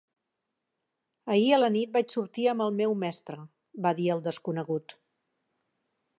"Ahir a la nit vaig sortir amb el meu mestre", va dir el desconegut.